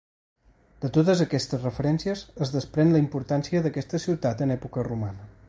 De totes aquestes referències es desprèn la importància d'aquesta ciutat en època romana.